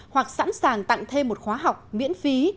hoặc sẵn sàng tặng thêm một khóa học miễn phí